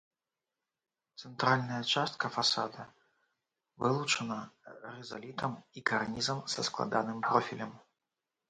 Цэнтральная частка фасада вылучана рызалітам і карнізам са складаным профілем.